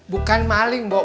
bukan mali bo